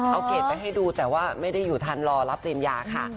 เอาเกรดไปให้ดูแต่ว่าไม่ได้อยู่ทันรอรับปริญญาค่ะ